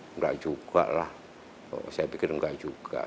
enggak juga lah saya pikir enggak juga